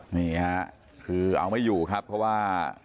นี่ค่ะคือเอาไม่อยู่ครับเพราะว่า